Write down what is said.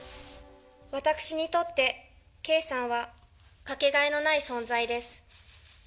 私にとって圭さんは掛けがえのない存在です。